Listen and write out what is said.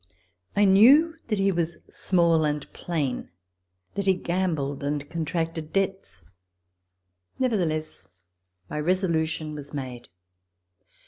I knew that he was small and plain; that he gambled and contracted debts. Nevertheless, my resolution was made.